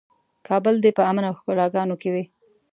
کابل دې په امن او ښکلاګانو کې وي.